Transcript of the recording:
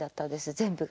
全部が。